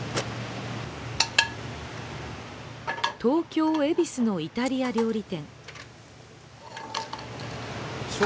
東京・恵比寿のイタリア料理店。